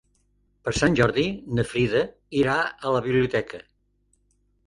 Per Sant Jordi na Frida irà a la biblioteca.